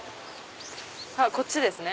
こっちですね。